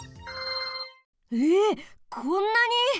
えこんなに？